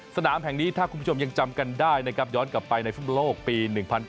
สนามแห่งนี้ถ้าคุณผู้ชมยังจำกันได้นะครับย้อนกลับไปในฟุตบอลโลกปี๑๙